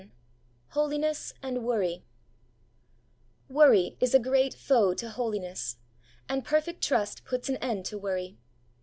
XI HOLINESS AND WORRY Worry is a great foe to Holiness, and perfect trust puts an end to worry.